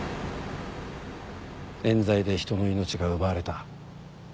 冤罪で人の命が奪われた。